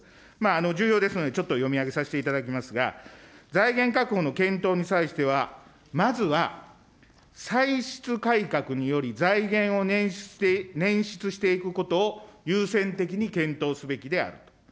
重要ですのでちょっと読み上げさせていただきますが、財源確保の検討に際しては、まずは歳出改革により財源を捻出していくことを優先的に検討すべきである。